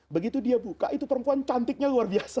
begitu dia buka itu perempuan cantiknya luar biasa